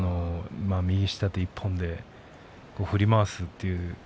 右下手１本で振り回すという。